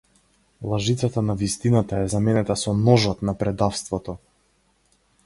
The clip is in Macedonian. Лажицата на вистината е заменета со ножот на предавството!